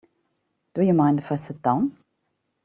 Do you mind if I sit down?